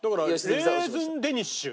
レーズンデニッシュ。